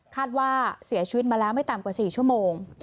คาดว่าเสียชีวิตมาแล้วไม่ต่ำกว่า๔ชั่วโมง